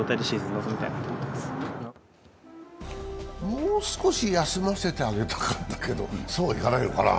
もう少し休ませてあげたかったけど、そうもいかないのかな。